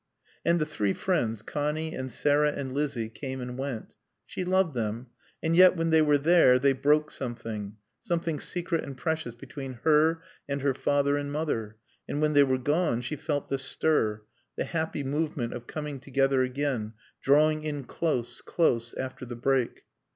And the three friends, Connie and Sarah and Lizzie, came and went. She loved them; and yet when they were there they broke something, something secret and precious between her and her father and mother, and when they were gone she felt the stir, the happy movement of coming together again, drawing in close, close, after the break.